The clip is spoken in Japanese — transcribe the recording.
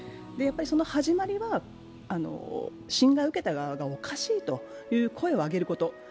その始まりは侵害を受けた側がおかしいと声を上げること。